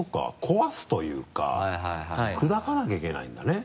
壊すというか砕かなきゃいけないんだね。